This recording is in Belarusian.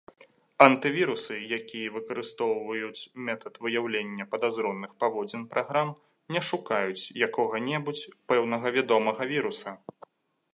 Антывірусы, якія выкарыстоўваюць метад выяўлення падазроных паводзін праграм, не шукаюць якога-небудзь пэўнага вядомага віруса.